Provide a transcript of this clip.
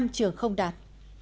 năm trường không đạt